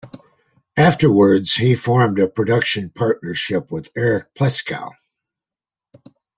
Afterwards, he formed a production partnership with Eric Pleskow.